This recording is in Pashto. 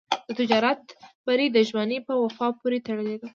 د تجارت بری د ژمنې په وفا پورې تړلی دی.